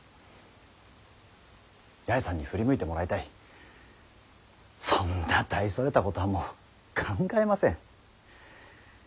八重さんに振り向いてもらいたいそんな大それたことはもう考えません。